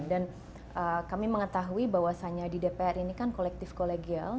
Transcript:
dan kami mengetahui bahwasanya di dpr ini kan kolektif kolegial